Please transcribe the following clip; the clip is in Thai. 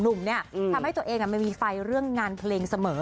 ทำให้ตัวเองไม่มีไฟเรื่องงานเพลงเสมอ